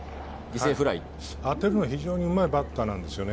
当てるのが非常にうまいバッターなんですよね。